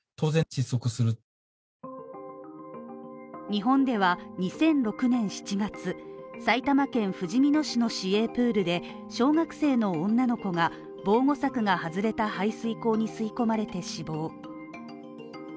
日本では２００６年７月、埼玉県ふじみ野市の市営プールで小学生の女の子が、防護柵が外れた排水口に吸い込まれて死亡。